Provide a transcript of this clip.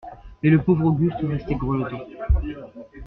Mais le pauvre Auguste restait grelottant.